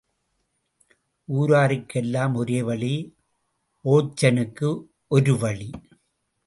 ஊராருக்கெல்லாம் ஒரு வழி ஓச்சனுக்கு ஒரு வழி.